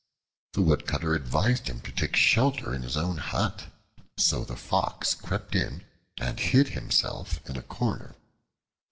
The Woodcutter advised him to take shelter in his own hut, so the Fox crept in and hid himself in a corner.